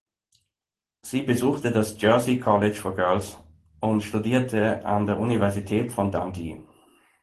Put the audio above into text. Sie besuchte das "Jersey College for Girls" und studierte an der Universität von Dundee.